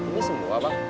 ini semua bang